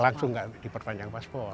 langsung tidak diperpanjang paspor